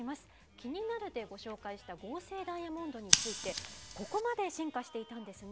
キニナル！でご紹介した、合成ダイヤモンドについて、ここまで進化していたんですね。